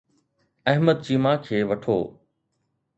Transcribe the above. احد چيما کي وٺو.